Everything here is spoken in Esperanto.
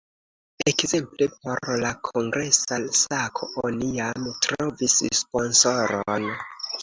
Ekzemple por la kongresa sako oni jam trovis sponsoron.